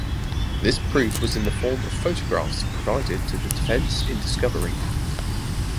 This proof was in the form of photographs provided to the defense in discovery.